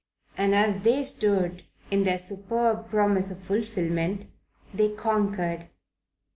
And as they stood, in their superb promise of fulfilment, they conquered.